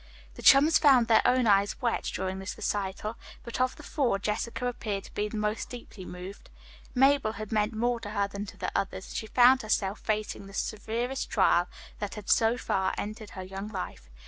The chums found their own eyes wet, during this recital, but of the four, Jessica appeared to be the most deeply moved. Mabel had meant more to her than to the others, and she found herself facing the severest trial that had so far entered her young life.